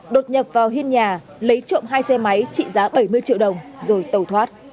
đột nhập vào hiên nhà lấy trộm hai xe máy trị giá bảy mươi triệu đồng rồi tẩu thoát